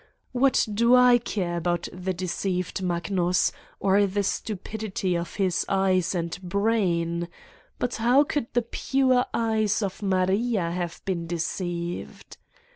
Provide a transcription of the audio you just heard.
What do I care about the de ceived Magnus or the stupidity of his eyes and brain? But how could the pure eyes of Maria have been deceived?